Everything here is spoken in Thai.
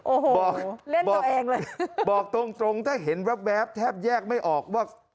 โอ้โหบอกเล่นบอกเองเลยบอกตรงตรงถ้าเห็นแวบแทบแยกไม่ออกว่า